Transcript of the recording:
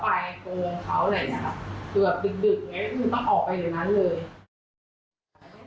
ถึงแบบดึกมันต้องออกไปเหลือนั้นเลย